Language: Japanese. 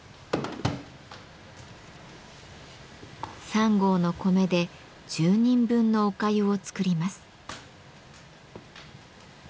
３合の米で１０人分のお粥を作ります。